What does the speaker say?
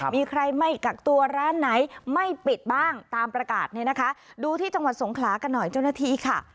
มีใครไม่กักตัวร้านไหนไม่ปิดบ้างตามประกาศเนี่ยนะคะดูที่จังหวัดสงขลากันหน่อยเจ้าหน้าที่ค่ะ